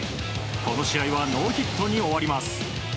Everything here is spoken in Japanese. この試合はノーヒットに終わります。